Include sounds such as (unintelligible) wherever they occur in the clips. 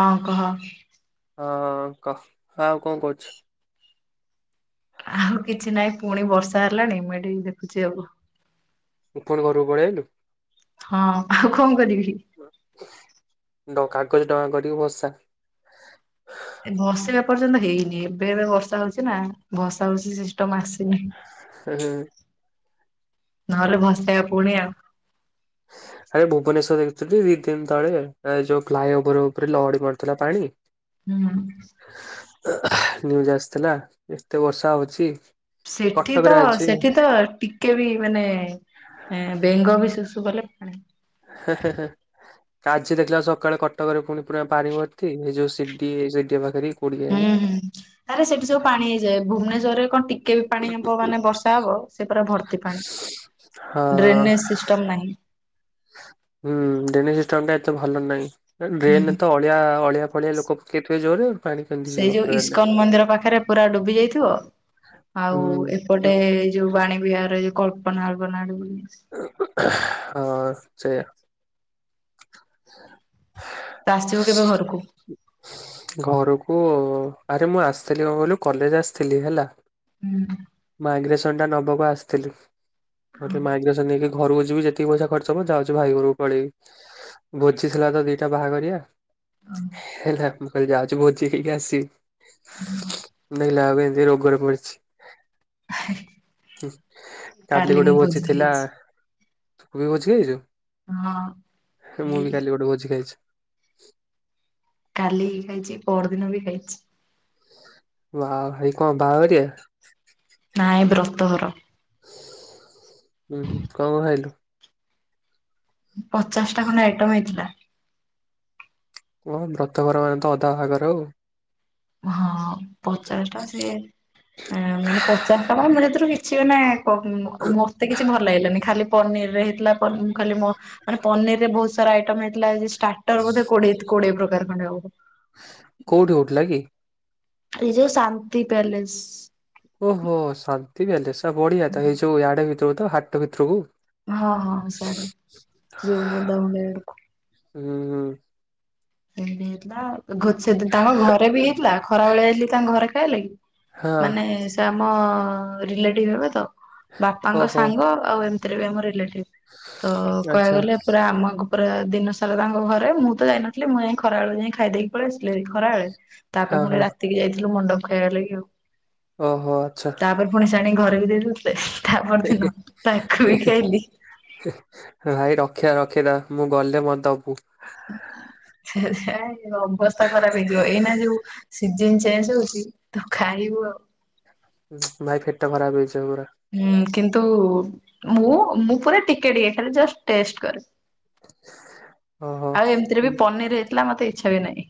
ହଁ କହ। ହଁ କ ହଁ କଣ କହୁଛୁ? ଆଉ କିଛି ନାହିଁ ପୁଣି ବର୍ଷା ହେଲାଣି ମୁଁ ଏଠି ଦେଖୁଛି ଆଉ। ପୁଣି ଘରକୁ ପଳେଇ ଆଇଲୁ? ହଁ ଆଉ କଣ କରିବି? ଡ କାଗଜ ଡଙ୍ଗା କରିକି ଭସା। ଏ ଭସେଇବା ପର୍ଯ୍ୟନ୍ତ ହେଇନି ଏବେ ଏବେ ବର୍ଷା ହଉଛି ନା ଭସା ଭସି ସିଷ୍ଟମ ଆସିନି। ହୁଁ ହୁଁ। ନହେଲେ ଭସେଆ ପୁଣି ଆଉ। ଆରେ ଭୁବନେଶ୍ୱର ଦେଖୁଥିଲିଟି ଦି ଦିନ ତଳେ ଏ ଯୋଉ ଫ୍ଲାଇ ଓଭର ଉପରେ ଲହଡ଼ି ମାରୁଥିଲା ପାଣି। ହୁଁ। ନ୍ୟୁଜ ଆସିଥିଲା ଏତେ ବର୍ଷା ହଉଛି। ସେଠି କଟକରେ ତ ଆଜି ସେଠି ତ ଟି ଟିକେ ବି ମାନେ ବେଙ୍ଗ ବି ଶୁଶୁ କଲେ ପାଣି (inaudible) ତ ଆଜି ଦେଖିଲା ସକାଳେ କଟକରେ ପୁଣି ପୁରା ପାଣି ଭର୍ତି ଏଇ ଯୋଉ ସିଡିଏ ସିଡିଏ ପାଖରେ କୋଉଠି ହୁଁ କେଜାଣି ହୁଁ ଆରେ ସେଠି ସବୁ ପାଣି ହେଇଯାଏ ଭୁବନେଶ୍ୱରରେ କଣ ଟି ଟିକେ ବି ପାଣି ହବ ମାନେ ବର୍ଷା ହବ ସେ ପରା ଭର୍ତ୍ତି ପାଣି ହଁ। ଡ୍ରେନେଜ ସିସ ଟମ ନାହିଁ। ହୁଁ ଡ୍ରେନେଜ ସିଷ୍ଟମ ଟା ଏତେ ଭଲ ନାଇଁ। ହୁଁ ଡ୍ରେନ ତ ଅଳିଆ ଅଳିଆ ଫଳିଆ ଲୋକ ପକେଇଥିବେ ଜୋରରେ ପାଣି କେମିତି ସେଇ ଯିବ? ଯୋଉ ଡ୍ରେନରେ ଇସ୍କନ ମନ୍ଦିର ପାଖରେ ପୁରା ଡୁବି ଯାଇଥିବ। ହୁଁ। ଗୋଟେ ଯୋଉ ବାଣୀ ବିିବାହାରର ଯୋଉ କଳ୍ପନା (unintelligible) ହଁ ସେୟା। ତ ଆସିବ କେବେ ଘରକୁ? ଘରକୁ ଆରେ ମୁଁ ଆସିଥିଲି କଣ କହିଲୁ କଲେଜ ଆସିଥିଲି ହେଲା। ହୁଁ। ମାଇଗ୍ରେସନ ଟା ନବାକୁ ଆସିଥିଲୁ ବୋଲି ମାଇଗ୍ରେ ତ ନେଇକି ଘରକୁ ଯିବି ଯେତିକି ପଇସା ଖର୍ଚ ହବ ଯାଉଛି ଭାଇ ଘରକୁ ପଳେଇବି। ଭୋଜି ଥିଲା ତ ଦିଟା ବାହାଘରିଆ। ହେଲା ମୁଁ ଯାଉଚି ଭୋଜି ଖାଇକି ଆସିବି। ନାଇ ଲାଗୁ ଏନ୍ତି ରୋଗରେ ପଡିଛି। କାଲି ମୁଁ ଗୋଟେ ଭୋଜି ଭୋଜିିଥିଲା। ଖାଇଛି। ତୁ ବି ଭୋଜି ଖାଇଛୁ ହଁ ମୁଁ ବି କାଲି ଗୋଟେ ଭୋଜି ଖାଇଛି। କାଲି ଖାଇଛି ପରଦିନ ବି ଖାଇଛି। ବା ଭାଇ କଣ ବାହାଘରିଆ? ନାଇଁ ବ୍ରତଘର। ହୁଁ ହୁଁ କଣ କଣ ଖାଇଲୁ? ପଚାଶଟା ଖଣ୍ଡେ ଆଇଟମ ହେଇଥିଲା। ବ୍ରତଘର ମାନେ ତ ଅଧା ବାହାଘର ଆଉ। ହଁ ପଚାଶଟା ସିଏ ମାନେ ପଚାଶ ଟା କଣ ମିଳେ ସେଥିରୁ କି କିଛି ମାନେ କଣ ମତେ କିଛି ଭଲ ଲାଗିଲାନି ଖାଲି ପନିରରେ ହେଇଥିଲା ପନ ମୁଁ ଖାଲି ମ ମାନେ ପନିରରେ ବହୁତ ସାରା ଆଇଟମ ହେଇଥିଲା ଯ ଷ୍ଟାର୍ଟର ବୋଧେ କୋଡିଏ ତ କୋଡିଏ ପ୍ରକାର ଖଣ୍ଡେ ହବ। କୋଉଠି ହଉଥିଲା କି? ଏଇ ଯଉ ଶାନ୍ତି ପ୍ୟାଲେସ୍। ଓହୋ ଶାନ୍ତି ପ୍ୟାଲେସ୍ ଆ ବଢିଆ ତ ଏଇ ଯଉ ଇଆଡେ ଭିତରକୁ ତ ହାଟ ଭିତରକୁ? ହଁ ହଁ ସିଆଡେ ଯଉ (unintelligible) ହୁଁ- ହୁଁ। ସେମତି ହେଇଥିଲା (unintelligible) ସେ ତାଙ୍କ ଘରେ ବି ହେଇଥିଲା ଖରା ବେଳେ ଆଇଲିି ତାଙ୍କ ଘରେ ଖାଇଲି। ହଁ ମାନେ ସେ ଆମ ରେଲେଟିଭ୍ ହେବେ ତ ବାପାଙ୍କ ଓହୋ ସାଙ୍ଗ ଆଉ ଏମିତିରେ ବି ଆମ ରେଲେଟିଭ୍ ତ କହିବାକୁ ଆଚ୍ଛା। ଗଲେ ପୁରା ଆମ ଘ ପୁରା ଦିନ ସାରା ତାଙ୍କ ଘରେ ମୁଁ ତ ଯାଇନଥିଲି ମୁଁ ଯାଇ ଖରା ବେଳେ ଯାଇ ଖାଇଦେଇକି ପଳେଇ ଆସିଲି ଖରା ବେଳେ ତାପରେ ହଁ ପୁଣି ହଁ ରାତିକି ଯାଇଥିଲୁ ମଣ୍ଡପ୍ ଖାଇବା ଲାଗି ଆଉ। ଓହୋ ଆଚ୍ଛା। ତାପରେ ପୁଣି ଆଣି ଘରେ ବି ଦେଇଥିଲେ ତାପର ଦିନ ତାକୁ ବି ଖାଇଲି। ଭାଇ ରଖିଥା ରଖିଥା ମୁଁ ଗଲେ ମୋତେ ଦବୁ। ସେ- ସେ ଅବସ୍ଥା ଖରାପ୍ ହେଇଯିବ ଏଇନା ଯଉ ସିଜିନ୍ ଚେଞ୍ଜ୍ ହଉଚି ତୁ ଖାଇବୁ ଆଉ। ଭାଇ ପେଟ ଖରାପ୍ ହେଇଯିବ ପୁରା। ହୁଁ କିନ୍ତୁ ମୁଁ -ମୁଁ ପୁରା ଟିକେ ଟିକେ ଖାଲି ଯା ଟେଷ୍ଟ୍ କରେ। ଓହୋ। ଆଉ ଏମିତିରେ ବି ପନିର୍ ହେଇଥିଲା ମତେ ଇଚ୍ଛା ବି ନାହିଁ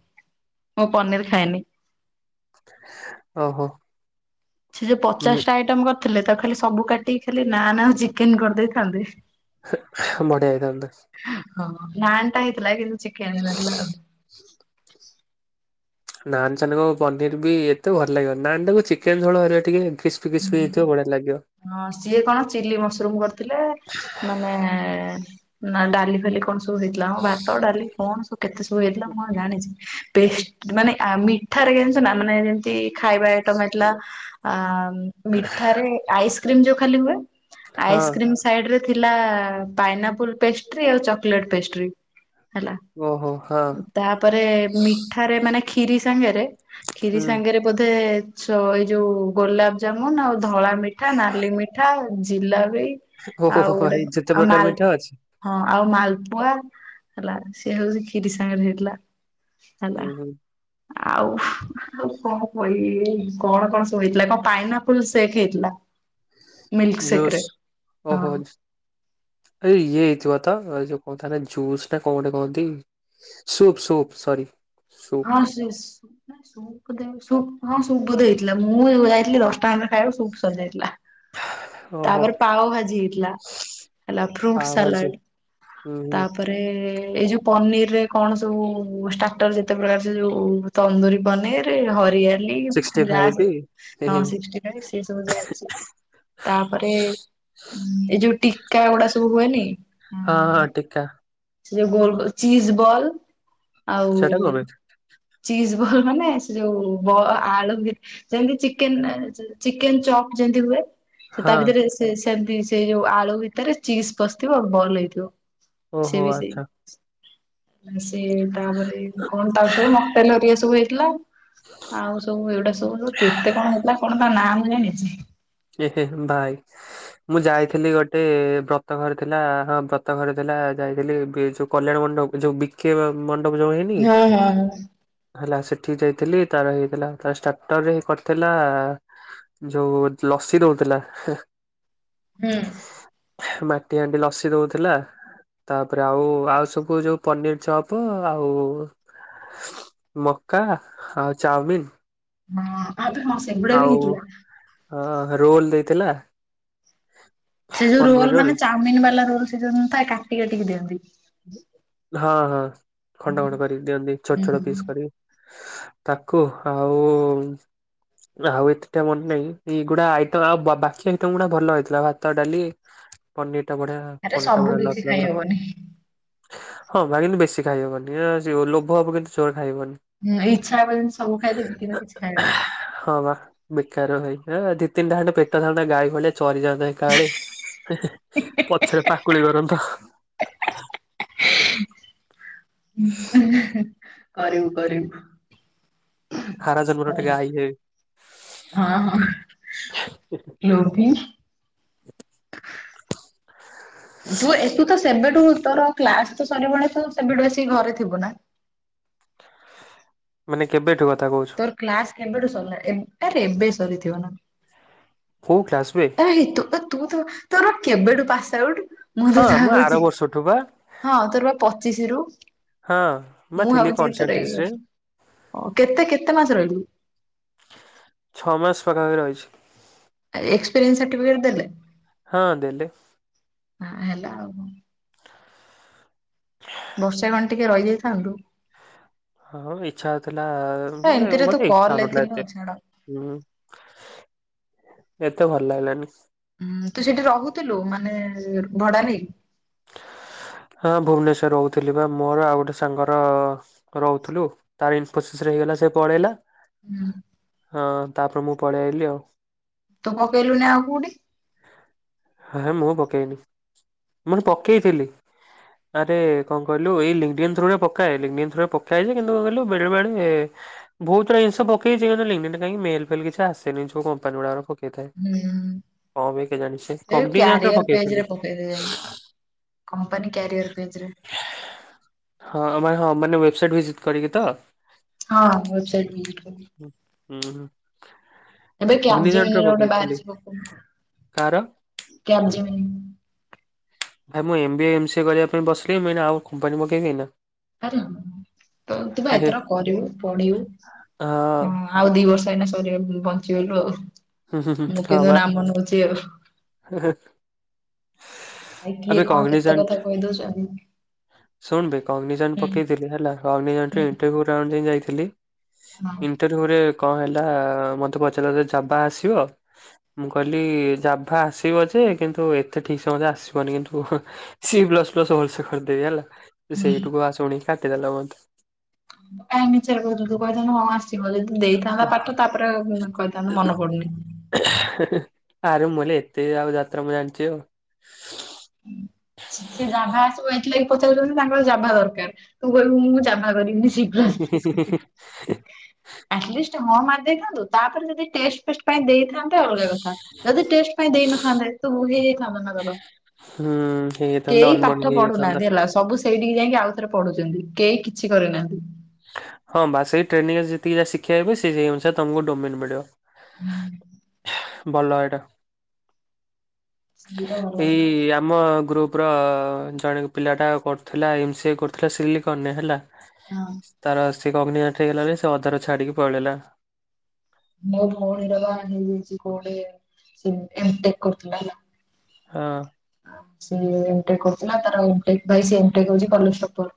ମୁଁ ପନିର୍ ଖାଏନି। ଓହୋ। ସେ ଯେ ପଚାଶ୍ ଟା ଆଇଟମ୍ କରି ଥିଲେ ତାକୁ ଖାଲି ସବୁ କାଟିକି ଖାଲି ନାନ୍ ଆଉ ଚିକେନ କରିଦେଇଥାନ୍ତେ। ହୁଁ-ବଢିଆ ହେଇଥାନ୍ତା। ହଁ- ନାନ୍‌‌ଟା‌‌ ହେଇଥିଲା କିନ୍ତୁ ଚିକେନ୍ ହେଇନଥିଲା ଆଉ। ହ ନାନ୍ ସାନଙ୍କୁ ପନିର୍ ବି ଏତେ ଭଲ ଲାଗିବନି ନାନ୍ ଟାକୁ ଚିକେନ୍ ଝୋଳ ହେରିକା ଟିକେ ଏମିତି ସ୍ (unintelligible) ହୁଁ ହେଇଥିବ ବଢିଆ ଲାଗିବ। ହଁ ସିଏ କଣ ଚିଲି ମସରୁମ୍ କରିଥିଲେ ମାନେ ନା- ଡାଲି ଫାଲି କଣ୍ ସବୁ ହେଇଥିଲା ଅଁ- ଭାତ ଡାଲି କଣ ସବୁ କେତେ ସବୁ ହେଇଥିଲା ମୁଁ କଣ‌ ଜାଣିଚି। ବେଷ୍ଟ୍ ମାନେ ଆ-ମିଠାରେ ଜାଣିଚ ନା ମାନେ ଯେମତି ଖାଇବା ଆଇଟମ୍ ହେଇଥିଲା ଆ- ମିଠାରେ ଆଇସ୍କ୍ରିମ୍ ଯଉ ଖାଲି ହୁଏ ହଁ ଆଇସ୍କ୍ରିମ୍ ସାଇଡ୍ ରେ ଥିଲା ପାଇନା ଆପୁଲ୍ ପେଷ୍ଟ୍ରି ଆଉ ଚକଲେଟ୍ ପେଷ୍ଟ୍ରି। ହେଲା ଓହୋ ହଁ ତା ପରେ ମିଠାରେ ମାନେ କ୍ଷୀରି ସାଙ୍ଗେରେ କ୍ଷୀରି ହୁଁ ସାଙ୍ଗେରେ ବୋଧେ ଚ-ଏଇ ଯଉ ଗୋଲାପ୍ ଜାମୁନ୍ ଆଉ ଧଳା ମିଠା, ନାଲି ମିଠା, ଜିଲାପି ଆଉ ଓହୋ ଗୋଟେ ଭାଇ ଯେତେ ଆଉ ପ୍ରକାର ମାଲ୍ ମିଠା ଅଛି ହଁ ଆଉ ମାଲପୁଆ ହେଲା ସିଏ ହଉଚି କ୍ଷୀରି ସାଙ୍ଗେରେ ହେଇଥିଲା। ହେଲା। ହୁଁ ହୁଁ। ଆଉ କଣ କଇବି କଣ ସବୁ ହେଇଥିଲା କଣ୍। ପାଇନା ଆପୁଲ୍ ସେକ୍ ହେଇଥିଲା ମିିଲ୍କ୍ ସେକ୍ ଜୁସ୍ ରେ ହଁ। ତ ଇଏ ହେଇଥିବ ତ ଯଉ (unintelligible) ନା ଜୁସ୍ ନା କଣ ଗୋଟେ କହନ୍ତି ସୁପ୍- ସୁପ୍ ସରି। ସୁପ୍ ହଁ ସେ ସୁପ୍ ହଁ ସୁପ୍ ବୋଧେ ହେଇଥିଲା ମୁଁ ଯାଇଥିଲି ଦଶଟା ଖଣ୍ଡେ ଖାଇବାକୁ ସୁପ୍ ସରିଯାଇଥିଲା। ଓହୋ ତାପରେ ପାଓ ଭାଜି ହେଇଥିଲା ହେଲା ଫ୍ରୁଟ୍ ପାଓ ଭାଜି ସାଲାଡ୍। ହୁଁ। ହୁଁ ତାପରେ ଏଇ ଯଉ ପନିର୍ ରେ କଣ ସବୁ ଷ୍ଟାର୍ଟର ରେ କେତେ ପ୍ରକାର ସେ ଯଉ ତନ୍ଦୁରୀ ପନିର୍ ରେ ହରିଆଲି ସିକ୍ସଟି ଯାହା ଫାଇଭ୍ ହେଁ ସବୁ ହଁ ହେଁ ସିକ୍ସ୍ଟି (unintelligible) ତାପରେ ଏଇ ଯଉ ଟିକା ଗୁଡା ସବୁ ହୁଏନି? ହଁ- ହଁ ଟିକା। ସେ ଯୋଉ ଗୋଲ ଗୋଲ ଚିଜ ବଲ ଆଉ ସେଟା କଣ ପାଇଁ? ଚିଜ୍ ବଲ ମାନେ ସେ ଯୋଉ ବ ଆଳୁ ଭି ସେମିତି ଚିକେନ ଚିକେନ ଚପ୍ ଯେମତି ହୁଏ। ସେ ହଁ ତା ଭିତରେ ସେ ସେମତି ସେଇ ଯୋଉ ଆଳୁ ଭିତରେ ଚିଜ୍ ପଶିଥିବ ଆଉ ବଲ ହେଇଥିବ। ଓହୋ ସେ ବି ସେଇ ଆଚ୍ଛା ସେ ତା ପରେ କଣ ତା ସବୁ ମକଟେଲ ହେରିକା ସବୁ ହେଇଥିଲା। ଆଉ ସବୁ ଏଗୁଡ଼ା ସବୁ କେତେ କଣ ହେଇଥିଲା। କଣ ତା ନାଁ ମୁଁ ଜାଣିଛି ହେ ହେ ଭାଇ ମୁଁ ଯାଇଥିଲି ଗୋଟେ ବ୍ର ତ ଘର ଥିଲା ହଁ ବ୍ରତ ଘରେ ଥିଲା ଯାଇଥିଲି ବି ଯୋଉ କଲ୍ୟାଣ ମଣ୍ଡପ ଯୋଉ ବିକ୍ କେ ବା ମଣ୍ଡପ ଯୋଉ ହେଇନି ହଁ ହଁ ହଁ। ହେଲା ସେଠିକି ଯାଇଥିଲି ତାର ହେଇଥିଲା ତାର ଷ୍ଟାର୍ଟରରେ ହେ କରିଥିଲା ଯୋଉ ଲସି ଦଉଥିଲା ହେଁ। ହୁଁ। ମାଟି ହାଣ୍ଡି ଲସି ଦଉଥିଲା। ତାପରେ ଆଉ ଆଉ ସବୁ ଯୋଉ ପନିର ଚପ୍ ଆଉ ମକା ଆଉ ଚାଉମିିନ ହଁ ଆ ପରେ କଣ ସେଗୁଡା ବି ହେଇଥିଲା? ହଁ ରୋଲ ଦେଇଥିଲା। ସେ ଯୋଉ ରୋଲ ମାନେ ଚାଉମିନ ବାଲା ରୋଲ ସେ ଯୋଉ ନଥାଏ କାଟି କାଟିକି ଦିଅନ୍ତି। ହଁ ହଁ ଖଣ୍ଡ ଖଣ୍ଡ କରି ଦିଅନ୍ତି ଛୋଟ ହୁଁ ଛୋଟ ପିସ୍ କରି। ତାକୁ ଆଉ ଆଉ ଏତେଟା ମନେ ନାଇଁ ଏଇଗୁଡା ଆଇଟମ ଆଉ ବାକି ଆଇଟମ୍ ଗୁଡା ଭଲ ହେଇଥିଲା। ଭାତ, ଡାଲି ପନିର ଟା ବଢିଆ ଆରେ ପନିର ଟା ସବୁ ବଢିଆ କିଛି ଲାଗୁଥିଲା ତାର। ଖାଇହବନି। ହଁ ବା କିନ୍ତୁ ବେଶୀ ଖାଇହବନି ଏଁ ସେ ଲୋଭ ହବ କିନ୍ତୁ ଯୋର ଖାଇହବନି। ଉଁ ଇଚ୍ଛା ହବ ଯେମିତି ସବୁ ଖାଇଦେବି କିନ୍ତୁ କିଛି ଖାଇହବନି। ହଁ ବା। ବେକାର (unintelligible) ଦି ତିନଟା ଖଣ୍ଡେ ପେଟ ଥାନ୍ତା ଗାଈ ଭଳି। ଚରିଯାଆନ୍ତା ଏକାବେଳେ ପଛରେ ପାକୁଳି କରନ୍ତ। ହ ଉଁ କରିବୁ କରିବୁ। ଆର ଜନ୍ମ ରେ ଗୋଟେ ହେଲା ଗାଈ ହେବି। ହଁ ହଁ ଲୋଭିି। ତୁ ଏତୁ ତ ସେବେଠୁ ତୋର କ୍ଲାସ ତ ସରିବଣି। ତୁ ସେବେଠୁ ଆସିକି ଘରେ ଥିବୁ ନା? ମାନେ କେବେଠୁ କଥା କହୁଛୁ? ତୋର କ୍ଲାସ କେବେଠୁ ସରିଲା ଏବ୍ ଆରେ ଏବେ ସରିଥିବ ନା? କୋଉ କ୍ଲାସ ବେ? ଏହି ତୁ ତୁ ତ ତୋର କେବେଠୁ ପାସ୍ ଆଉଟ୍। ମୁଁ ତ ହଁ ଯାହା ଆର କହୁଚି ବର୍ଷଠୁ ବା ହଁ ତୋର ବା ପଚିଶି ରୁ। ହଁ। ମୁଁ ଥିଲି ଭାବୁଚି କି ତୋର ଏଇ କନସେଣ୍ଟ୍ରିକ୍ସ ରେ ବର୍ଷ ଅ କେତେ କେତେ ମାସ ରହିଲୁ? ଛଅ ମାସ ପାଖାପାଖି ରହିଛି। ଏକ୍ସପେରିୟନ୍ସ ସାର୍ଟିଫିକେଟ ଦେଲେ? ହଁ ଦେଲେ। ହଁ ହେଲା ଆଉ। ବର୍ଷେ କଣ ଟିକେ ରହିଯାଇଥାନ୍ତୁ। ଆଉ ଇଚ୍ଛା ହଉଥିଲା ଏ ଏମିତିରେ ତୁ ମତେ ଇଚ୍ଛା ହଉ କଲରେ ନଥିଲା ଥିଲୁ ଏତେ। ଛାଡ ହୁଁ ଏତେ ଭଲ ଲାଗିଲାନି। ଉଁ ତୁ ସେଠି ରହୁଥିଲୁ ମାନେ ଭଡା ନେଇକି? ହଁ ଭୁବନେଶ୍ଵର ରହୁଥିଲି ବା ମୋର ଆଉ ଗୋଟେ ସାଙ୍ଗର। ରହୁଥିଲୁ ତାର ଇନଫୋସିସ୍ ରେ ହେଇଗଲା ସେ ପଳେଇଲା। ହୁଁ। ହଁ ତାପରେ ମୁଁ ପଳେଇ ଆଲି ଆଉ। ତୁ ପକେଇଲୁନି ଆଉ କୋଉଠି। ହେ ହେ ମୁଁ ପକେଇନି ମୁଁ ଫୁଣି ପକେଇଥିଲି ଆରେ କଣ କହିଲୁ ଏଇ ଲିଙ୍ଗଡିନ ଥ୍ରୋ ରେ ପକାଏ ଲିଙ୍ଗଡିନ ଥ୍ରୋ ରେ ପକାଏ ଜେ କିନ୍ତୁ କଣ କହିଲୁ ବେଳେ ବେଳେ ବହୁତଗୁଡା ଜିନିଷ ପକେଇଚି କାଇଁ ଲିଙ୍ଗଡିନ କାଇଁ ମେଲ ଫେଲ କିଛି ଆସିନି ଯୋଉ କମ୍ପାନୀ ଗୁଡା ର ପକେ ପେଇଥାଏ ହୁଁ କଣ ପେଇଁ କେଜାଣି ସେ କବଡ଼ିଜେଣ୍ଡ ର ପକେଇଥିଲି। ଫେରେ ଯାଇଁ କମ୍ପାନୀ କ୍ୟାରିଅର୍ ପେଜରେ ହଁ ଆ ହଁ ମାନେ ୱେବସାଇଟ୍ ଭିଜିଟ୍ କରିକି ତ? ହଁ ୱେବବସାଇଡ ଭିଜିଡ଼ କରିକି। ଉଁ ହୁଁ। ଏବେ କ୍ୟାବଜି କଗ୍ନିଜାଣ୍ଟ ମିନି ର ଗୋଟେ ପକେଇଥିଲି ବାହାରିଚି ପକୋଉନୁ କାର କ୍ୟାବଜିମିନିଙ୍ଗ। ଭାଇ ମୁଁ ଏମ୍ବିଏ ଏମ୍ସିଏ କରିବା ପାଇଁ ବସିଲି ମୁଁ ଆଉ କମ୍ପାନୀ ପକେଇକ ଏନା। ଆରେ ହଁ ତ ତୁ ବା ହେ ଏଥର କରିବୁ ପଢିବୁ ହଁ। ଆଉ ଦି ବର୍ଷ ହେଇନା ସରିଗ ବଞ୍ଚିଗଲୁ ଆଉ। ମୁଁ ହଁ କିନ୍ତୁ ବା। ନାମ ନଉଛି ଆଉ ଭାଇ କିଏ କଣ କେତେ କଥା କହି ଦଉଚନ୍ତି ଶୁଣିବେ କଗ୍ନିସନ ପକେଇଥିଲି ହେଲା କଗ୍ନିସନ ରେ ହୁଁ ଇଣ୍ଟରର୍ଭିଉ ରାଉଣ୍ଡ ଯାଏଁ ଯାଇଥିଲି ହଁ ଇଣ୍ଟରଭି୍ୟୁରେ କଣ ହେଲା ମତେ ପଚାରିଲ ଜାବା ଆସିବ ମୁଁ କହିଲି ଜାଭା ଆସିବ ଯେ କିନ୍ତୁ ଏତେ ଠିକ୍ ସେ ମୋତେ ତ ଆସିବନି କିନ୍ତୁ ସି ପ୍ଲସ୍ ପ୍ଲସ୍ ଭଲସେ କରିଦେବି ହେଲା ହୁଁ ସେଇଟୁକୁ ଆ ଶୁଣିକି କାଟିଦେଲା ମତେ। କାଇଁ ମିଛେରେ ର କହୁଥିଲୁ ତୁ କହିଥାନ୍ତୁ ହଁ ଆସିଚି ବୋଲି ଦେଇଥାନ୍ତା ପାଠ ତାପରେ କହିଥାନ୍ତୁ ମନ ପଡୁନି। ଆରେ ମୁଁ କହଲି ଏତେ ଆଉ ଯାତ୍ରା ମୁଁ ଜାଣିଛି ଆଉ। ସେ ଜାଭା ଆସିବ ଏଥିଲାଗି ପଚାରୁଚନ୍ତି ତାଙ୍କର ଜାଭା ଦରକାର। ତୁ କହିବୁ ମୁଁ ଜାଭା କରିବିନି ଶିଖି ହ ଅଟଲିଷ୍ଟ ହଁ ମାରି ଦେଇଥାନ୍ତୁ ତାପରେ ଯଦି ଟେଷ୍ଟ ଫେଷ୍ଟ ପାଇଁ ଦେଇଥାନ୍ତ ତ ଅଲଗା କଥା ଯଦି ଟେଷ୍ଟ ପାଇଁ ଦେଇନଥାନ୍ତେ ତ ଭୁଲ ହେଇଥାନ୍ତା ନା ତାର ହୁଁ ହେଇ କେହି ପାଠ ପଢୁନାହାନ୍ତି ହେଲା ସବୁ ସେଇଠିକି ଯାଇଁକି ଆଉ ଥରେ ପଢୁଚନ୍ତି କେହି କିଛି କରିନାହାନ୍ତି। ହଁ ବା ସେଇ ଟ୍ରେନିଂରେ ଯେତିକି ଯାହା ଶିଖେଇବେ ସେଇ ସେ ଅନୁସାରେ ତମକୁ ଡୋମିନ୍ ମିଳିବ। ହୁଁ ଭଲ ଏଇଟା ସେଇଟା ଭଲ କଥା ଏଇ ଆପ୍ ଆମ ଗ୍ରୁପର ଜଣେ ପିଲାଟା କରୁଥିଲା ଏମ୍ ସି ଏ କରୁଥିଲା ସିଲିକନ୍ ରେ ହେଲା ହଁ। ତାର ସେ ଗଗ୍ନିମାଟ୍ ହେଇଗଲା ଜେ ସେ ଅଧାରୁ ଛାଡିକି ପଳେଇଲା। ମୋ ଭଉଣୀର ବା ହେଇଯାଇଚି କୋଉଟେ ସେ ଏମ୍ ଟେକ୍ କରୁଥିଲା ହେଲା ହଁ। ସେ ଏମ୍ ଟେକ୍ କରୁଥିଲା ତାର ଏମ୍ ଟେକ୍ ବାଇ ସେ ଏମ୍ ଟେକ୍ ହଉଚି କଲେଜ ଟପର୍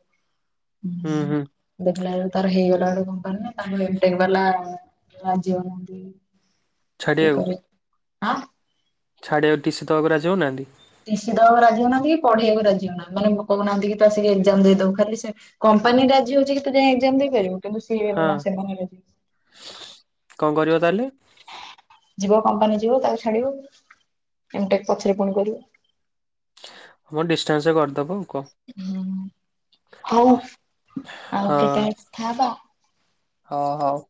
ହୁଁ। ଦେଖିଲା ବେଳକୁ ତାର ହେଇଗଲା ଗୋଟେ କମ୍ପାନୀ ରେ ତାଙ୍କୁ ଏମ୍ ଟେକ୍ ବାଲା ରାଜି ହଉନାହାନ୍ତି ୟେକରେ ଆଁ? ଛାଡ଼ିିବା ଟିସିି ଦେବାକୁ ରାଜି ହୋଉନାହାନ୍ତି? ଟିସିି ଦବାକୁ ରାଜି ହଉନାହାନ୍ତି କି ପଢେଇବାକୁ ରାଜି ହୋଉ ନାହାନ୍ତି ମାନେ ମୋ କହୁନାହାନ୍ତି କି ତୁ ଆସିକି ଏକ୍ଜାମ ଦେଇଦେବୁ ଖାଲି ସେ କମ୍ପାନୀ ରାଜି ହଉଚି କି ତୁ ଯାଇଁକି ଏଗ୍ଜାମ ଦେଇପାରିବୁ କିନ୍ତୁ ସିଏ ହଁ ନା ସେମାନେ ରାଜ କଣ କରିବ ତାହେଲେ? ଯିବ କମ୍ପାନୀ ଯିବ ତାକୁ ଛାଡିବ ଏମ୍ ଟେକ୍ ପଛରେ ପୁଣି କରିବ। ହଁ ମ ଡିସଷ୍ଟାନ୍ସରେ କରିଦବ ଆଉ। କଣ ହୁଁ ହଉ ଆଉ କେତେବେଳେ କଥା ହବା ହଁ ହଉ।